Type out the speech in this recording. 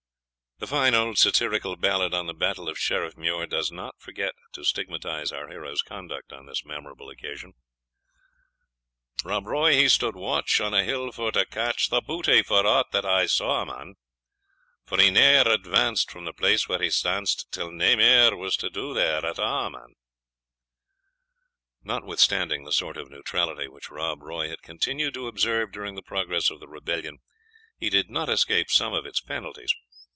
The fine old satirical ballad on the battle of Sheriffmuir does not forget to stigmatise our hero's conduct on this memorable occasion Rob Roy he stood watch On a hill for to catch The booty for aught that I saw, man; For he ne'er advanced From the place where he stanced, Till nae mair was to do there at a', man. Notwithstanding the sort of neutrality which Rob Roy had continued to observe during the progress of the Rebellion, he did not escape some of its penalties.